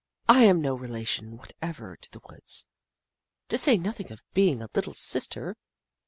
I am no relation what ever to the woods, to say nothing of being a Little Sister."